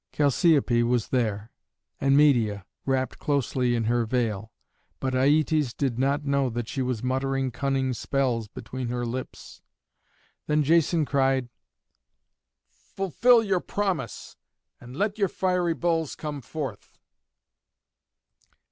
Chalciope was there, and Medeia, wrapped closely in her veil; but Aietes did not know that she was muttering cunning spells between her lips. Then Jason cried, "Fulfil your promise, and let your fiery bulls come forth!"